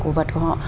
cổ vật của họ